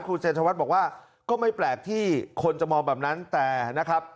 คุณเจนชวัฒน์บอกว่าก็ไม่แปลกที่คนจะมองแบบนั้นแต่นะครับ